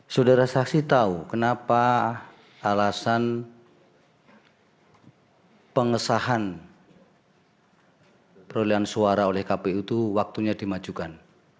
saudara saksi tahu kenapa alasan pengesahan perolehan suara oleh kpu itu waktunya dimajukan